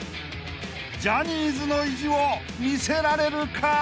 ［ジャニーズの意地を見せられるか？］